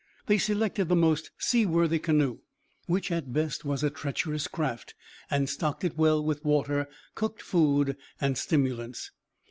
They selected the most seaworthy canoe, which at best was a treacherous craft, and stocked it well with water, cooked food, and stimulants.